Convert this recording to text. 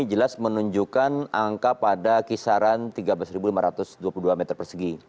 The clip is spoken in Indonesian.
jelas menunjukkan angka pada kisaran tiga belas lima ratus dua puluh dua meter persegi